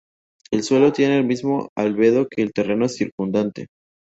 El suelo tiene el mismo albedo que el terreno circundante.